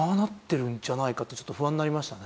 ちょっと不安になりましたね。